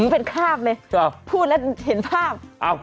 เป็นภาพเลยพูดแล้วเห็นภาพ